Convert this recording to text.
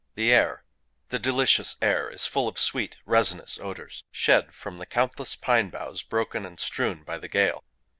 The air—the delicious air!—is full of sweet resinous odors, shed from the countless pine boughs broken and strewn by the gale.